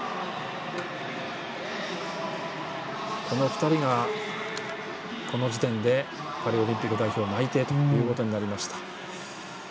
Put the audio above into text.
この２人が、この時点でパリオリンピック代表内定ということになりました。